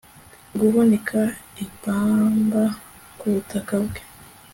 guhunika ipamba ku butaka bwe